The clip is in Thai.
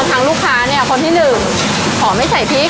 ก็ทำลูกค้าคนที่๑ขอไม่ใส่พริก